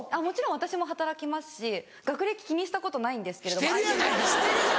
もちろん私も働きますし学歴気にしたことないんですけれども。